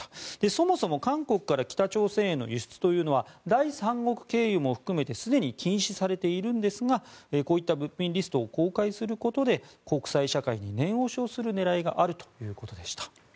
そもそも韓国から北朝鮮への輸出というのは第三国経由も含めてすでに禁止されているんですがこういった物品リストを公開することで国際社会に念押しする狙いがあるということでした。